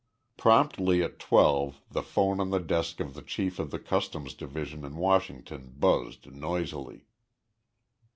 Promptly at twelve the phone on the desk of the chief of the Customs Division in Washington buzzed noisily.